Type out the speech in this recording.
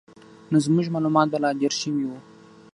نو زموږ معلومات به لا ډېر شوي وو.